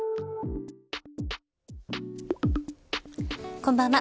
こんばんは。